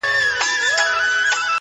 شعرونه نور ورته هيڅ مه ليكه ـ